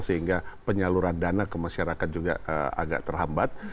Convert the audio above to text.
sehingga penyaluran dana ke masyarakat juga agak terhambat